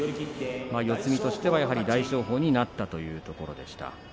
四つ身としては大翔鵬になったというところでした。